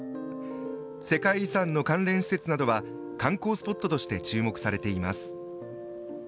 世界遺産の関連施設などは観光スポットとして注目されています。